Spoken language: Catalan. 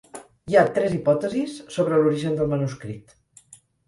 Hi ha tres hipòtesis sobre l'origen del manuscrit.